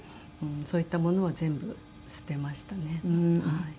そういったものを全部捨てましたねはい。